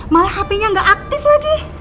malah hpnya gak aktif lagi